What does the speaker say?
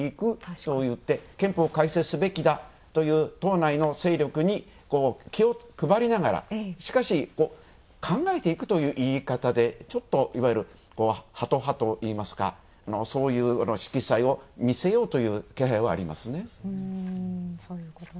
そういって憲法改正すべきだという党内の勢力に気を配りながら、しかし「考えていく」という言い方でちょっと、いわゆるハト派といいますかそういう色彩を見せようという気配はありますね。